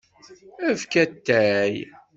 Efk atay.